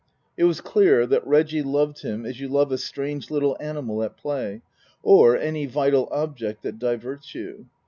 It was clear that Reggie loved him as you love a strange little animal at play, or any vital object that diverts you.